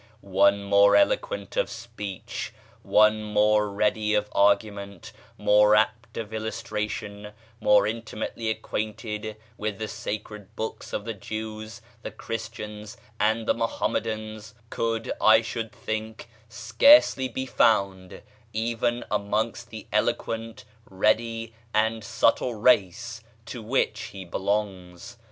One more eloquent of speech, more ready of argument, more apt of illustration, more intimately acquainted with the sacred books of the Jews, the Christians, and the Muhammadans, could, I should think, scarcely be found even amongst the eloquent, ready, and subtle race to which he belongs.